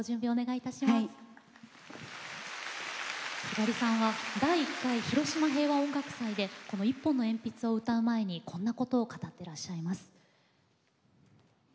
ひばりさんは第１回広島平和音楽祭でこの「一本の鉛筆」を歌う前にこんなことを語ってらっしゃいます。